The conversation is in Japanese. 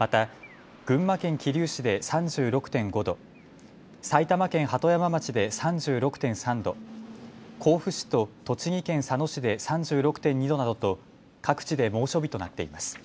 また群馬県桐生市で３６．５度、埼玉県鳩山町で３６．３度、甲府市と栃木県佐野市で３６．２度などと各地で猛暑日となっています。